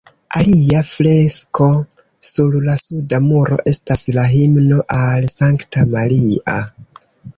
Alia fresko sur la suda muro estas la "Himno al Sankta Maria".